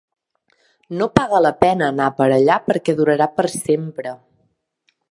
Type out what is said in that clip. No paga la pena anar per allà perquè durarà per sempre.